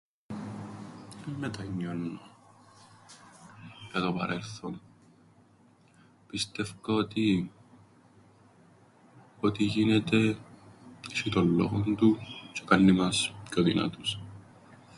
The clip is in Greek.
Εν μετανιώννω για το παρελθόν μου. Πιστεύκω ότι... ό,τι γίνεται, έσ̆ει τον λόγον του, τζ̆αι κάμνει μας πιο δυνατούς.